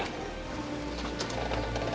ya ini menurutku